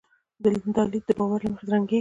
دا لید د باور له مخې رنګېږي.